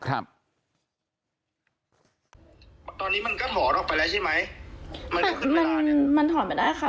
ตอนนี้มันก็ถอดออกไปแล้วใช่ไหมมันมันมันถอดไม่ได้ค่ะ